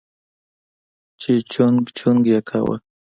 چې چونگ چونگ يې کاوه.